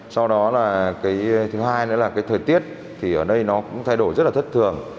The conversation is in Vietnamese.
sau đó là cái thứ hai nữa là cái thời tiết thì ở đây nó cũng thay đổi rất là thất thường